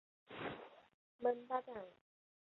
蒙巴赞。